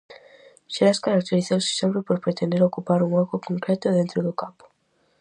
Xerais caracterizouse sempre por pretender ocupar un oco concreto dentro do campo.